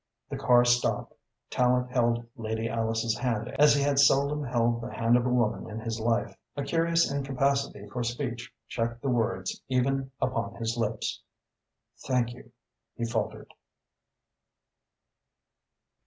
The car stopped. Tallente held Lady Alice's hand as he had seldom held the hand of a woman in his life. A curious incapacity for speech checked the words even upon his lips. "Thank you," he faltered.